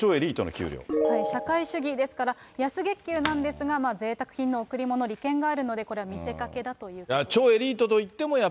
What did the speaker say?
社会主義ですから、安月給なんですが、ぜいたく品の贈り物、利権があるので、これは見せかけだというこ超エリートといっても、やっ